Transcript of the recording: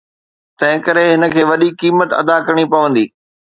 تنهنڪري هن کي وڏي قيمت ادا ڪرڻي پوندي.